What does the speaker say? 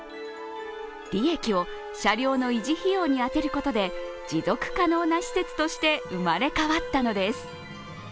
利益を車両の維持費用に充てることで持続可能な施設として生まれ変わったのです。